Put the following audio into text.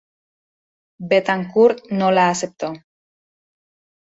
Betancourt no la aceptó.